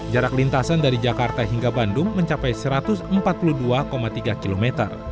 jarak lintasan dari jakarta hingga bandung mencapai satu ratus empat puluh dua tiga km